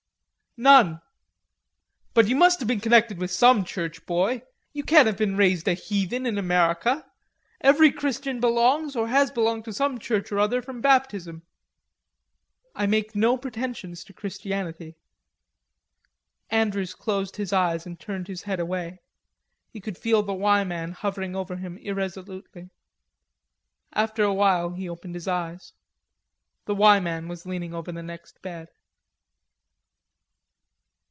"None." "But you must have been connected with some church, boy. You can't have been raised a heathen in America. Every Christian belongs or has belonged to some church or other from baptism." "I make no pretensions to Christianity." Andrews closed his eyes and turned his head away. He could feel the "Y" man hovering over him irresolutely. After a while he opened his eyes. The "Y" man was leaning over the next bed.